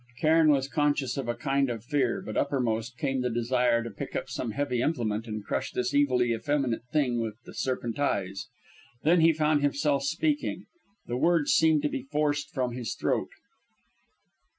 Cairn was conscious of a kind of fear, but uppermost came a desire to pick up some heavy implement and crush this evilly effeminate thing with the serpent eyes. Then he found himself speaking; the words seemed to be forced from his throat.